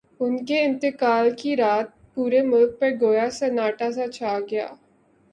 ان کے انتقال کی رات پورے ملک پر گویا سناٹا سا چھا گیا۔